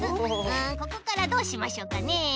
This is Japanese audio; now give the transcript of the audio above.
あここからどうしましょうかね？